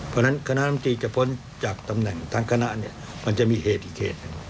เพราะฉะนั้นคณะอลัมตรีจะพ้นจากตำแหน่งทั้งคณะมันจะมีเหตุอีกเหตุ